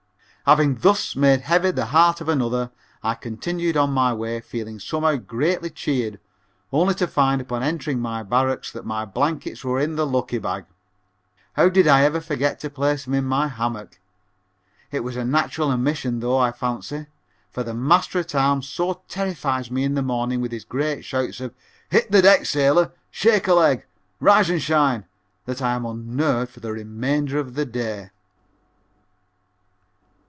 Having thus made heavy the heart of another, I continued on my way feeling somehow greatly cheered only to find upon entering my barracks that my blankets were in the lucky bag. How did I ever forget to place them in my hammock? It was a natural omission though, I fancy, for the master at arms so terrifies me in the morning with his great shouts of "Hit the deck, sailor! Shake a leg rise an' shine" that I am unnerved for the remainder of the day.